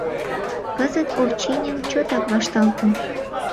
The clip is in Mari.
Кызыт Овчинин чотак вашталтын.